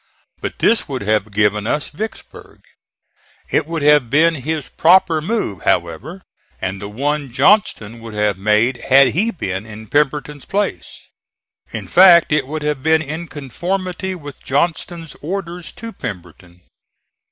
But this would have given us Vicksburg. It would have been his proper move, however, and the one Johnston would have made had he been in Pemberton's place. In fact it would have been in conformity with Johnston's orders to Pemberton.